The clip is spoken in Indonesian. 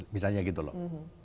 misalnya gitu loh